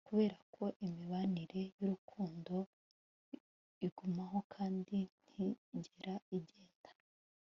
kuberako imibanire y'urukundo igumaho kandi ntizigera igenda